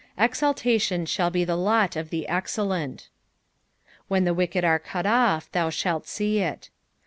Exaltation shall be the of the excellent. " Wh^ the aidbed are eut off, thou thalt tee it."